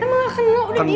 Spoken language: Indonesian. kau gak kenal udah diam deh